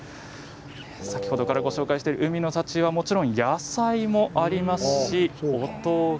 先ほどからご紹介している海の幸はもちろん野菜もありますしお豆腐